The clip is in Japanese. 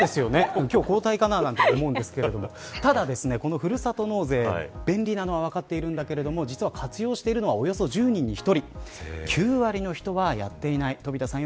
今日、交代かなと思うんですけどただ、このふるさと納税便利なのは分かっているんだけど実は、活用しているのはおよそ１０人に１人。